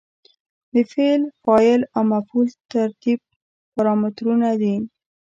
د فعل، فاعل او مفعول ترتیب پارامترونه دي.